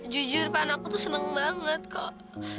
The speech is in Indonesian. jujur pan aku tuh seneng banget kalau